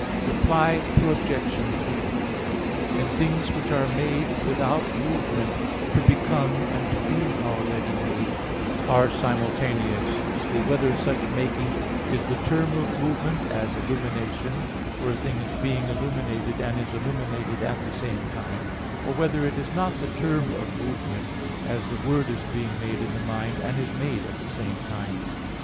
Reply Obj. 3: In things which are made without movement, to become and to be already made are simultaneous, whether such making is the term of movement, as illumination (for a thing is being illuminated and is illuminated at the same time) or whether it is not the term of movement, as the word is being made in the mind and is made at the same time.